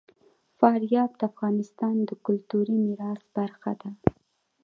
فاریاب د افغانستان د کلتوري میراث برخه ده.